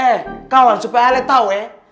eh kawan supaya elit tahu ya